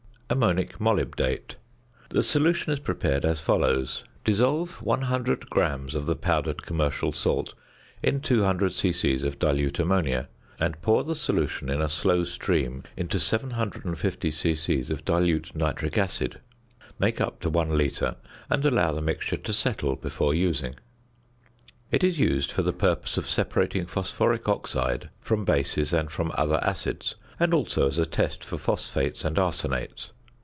~Ammonic Molybdate.~ The solution is prepared as follows: Dissolve 100 grams of the powdered commercial salt in 200 c.c. of dilute ammonia, and pour the solution in a slow stream into 750 c.c. of dilute nitric acid; make up to 1 litre, and allow the mixture to settle before using. It is used for the purpose of separating phosphoric oxide from bases and from other acids, and also as a test for phosphates and arsenates.